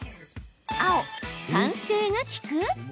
青・酸性が効く？